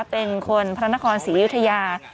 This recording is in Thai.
เป็นคนพระนครศรีอยุธยา